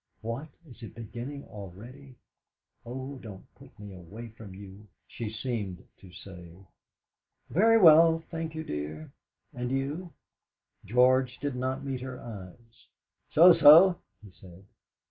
'What! is it beginning already? Oh, don't put me away from you!' she seemed to say. "Very well, thank you, dear. And you?" George did not meet her eyes. "So so," he said.